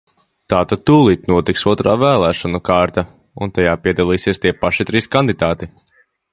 Tātad tūlīt notiks otrā vēlēšanu kārta, un tajā piedalīsies tie paši trīs kandidāti.